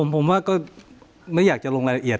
ผมว่าก็ไม่อยากจะลงรายละเอียด